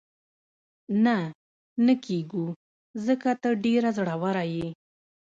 نه، نه کېږو، ځکه ته ډېره زړوره یې.